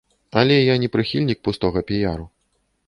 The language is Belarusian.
Але я не прыхільнік пустога піяру.